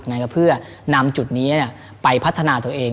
เดรียวเราจะนำจุดนี้ไปพัฒนาตัวเอง